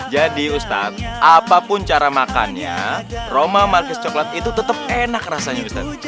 jadi ustadz apapun cara makannya roma malkis coklat itu tetap enak rasanya ustadz